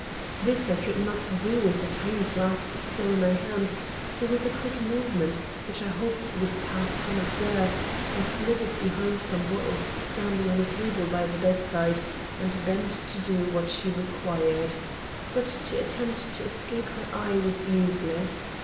This I could not do with the tiny flask still in my hand, so with a quick movement, which I hoped would pass unobserved, I slid it behind some bottles standing on a table by the bedside, and bent to do what she required. But to attempt to escape her eye was useless.